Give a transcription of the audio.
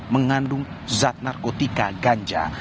mengandung zat narkotika ganja